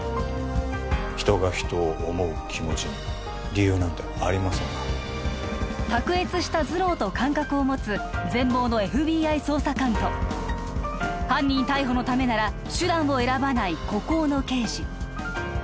人が人を思う気持ちに理由なんてありませんから卓越した頭脳と感覚を持つ全盲のＦＢＩ捜査官と犯人逮捕のためなら手段を選ばない孤高の刑事